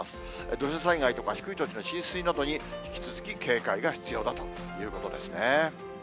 土砂災害とか低い土地の浸水などに引き続き警戒が必要だということですね。